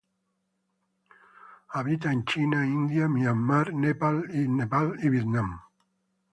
Habita en China, India, Myanmar, Nepal y Vietnam.